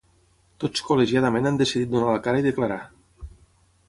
Tots col•legiadament han decidit donar la cara i declarar.